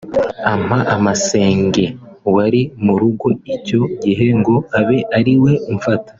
ampa masenge wari mu rugo icyo gihe ngo abe ariwe umfata